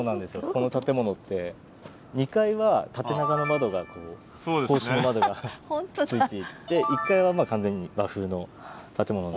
この建物って２階は縦長の窓が格子の窓がついていて１階は完全に和風の建物なんですけれど。